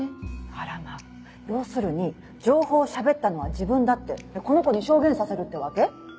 あらま要するに情報を喋ったのは自分だってこの子に証言させるってわけ？